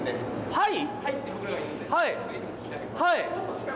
はい！